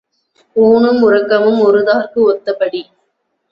ஊணும் உறக்கமும் ஒத்தார்க்கு ஒத்த படி.